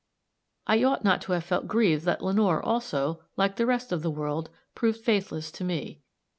I ought not to have felt grieved that Lenore, also, like the rest of the world, proved faithless to me.